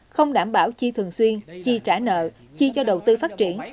không đảm bảo chi thường xuyên chi trả nợ chi cho đầu tư phát triển